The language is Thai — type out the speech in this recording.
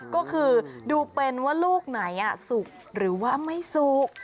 ก็คือดูเป็นว่าลูกไหนสุกหรือว่าไม่สุก